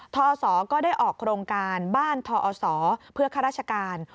ทศก็ได้ออกโครงการบ้านทอศเพื่อข้าราชการ